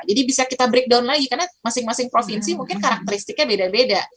jadi bisa kita breakdown lagi karena masing masing provinsi mungkin karakteristiknya beda beda